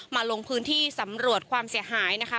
ลงพื้นที่สำรวจความเสียหายนะคะ